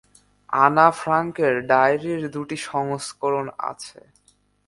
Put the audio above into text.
আনা ফ্রাঙ্কের ডায়রির দুটি সংস্করণ আছে।